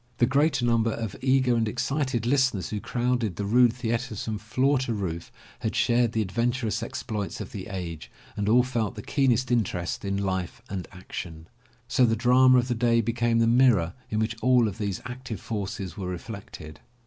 The greater number of eager and excited listeners who crowded the rude theatres from floor to roof had shared the adventurous exploits of the age and all felt the keenest interest in life and action. So the drama of the day became the mirror in which all these active forces were reflected.